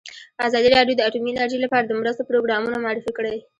ازادي راډیو د اټومي انرژي لپاره د مرستو پروګرامونه معرفي کړي.